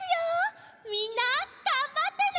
みんながんばってね！